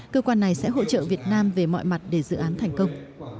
cơ quan này sẽ hỗ trợ việt nam về mọi mặt để dự án thành công